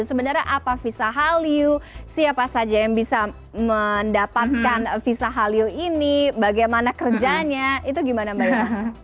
sebenarnya apa visa halyu siapa saja yang bisa mendapatkan visa halyu ini bagaimana kerjanya itu bagaimana mbak irma